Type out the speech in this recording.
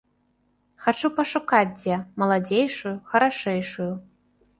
Хачу пашукаць дзе маладзейшую, харашэйшую.